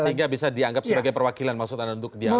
sehingga bisa dianggap sebagai perwakilan maksud anda untuk dialog